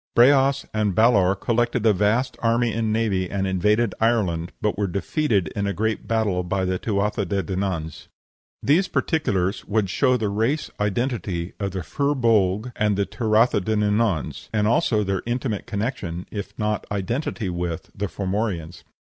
Breas and Balor collected a vast army and navy and invaded Ireland, but were defeated in a great battle by the Tuatha de Dananns. These particulars would show the race identity of the Fir Bolg and Tuatha de Dananns; and also their intimate connection, if not identity with, the Formorians.